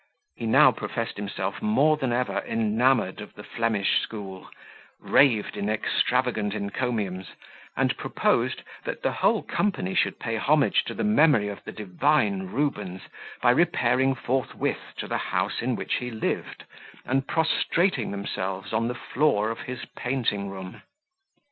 He now professed himself more than ever enamoured of the Flemish school, raved in extravagant encomiums, and proposed that the whole company should pay homage to the memory of the divine Rubens, by repairing forthwith to the house in which he lived, and prostrating themselves on the floor of his painting room.